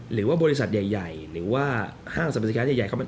หรือว่าบริษัทยาแย่หรือว่าห้างสำรการณ์ยังไง